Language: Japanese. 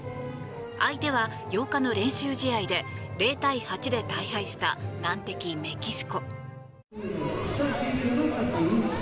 相手は８日の練習試合で０対８で大敗した難敵メキシコ。